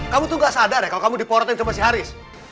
kamu itu ga bingung ya kalau kamu diporotin sama si haris